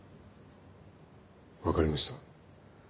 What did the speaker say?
分かりました。